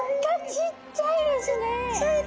ちっちゃいですね。